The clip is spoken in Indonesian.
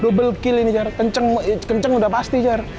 double kill ini jar kenceng udah pasti jar